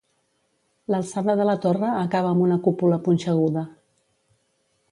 L'alçada de la torre acaba amb una cúpula punxeguda.